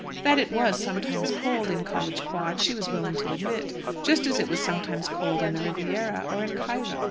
That it was sometimes cold in College Quad she was willing to admit just as it was sometimes cold on the Riviera or in Cairo.